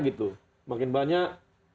gitu makin banyak